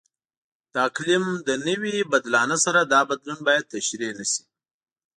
د اقلیم له نوي بدلانه سره دا بدلون باید تشریح نشي.